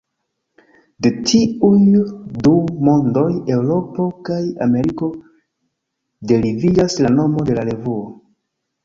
De tiuj du "mondoj", Eŭropo kaj Ameriko, deriviĝas la nomo de la revuo.